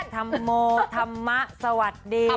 ทำโมทำมะสวัสดี